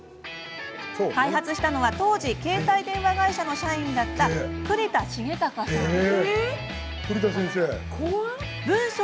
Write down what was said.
開発したのは当時、携帯電話会社の社員だった栗田穣崇さん。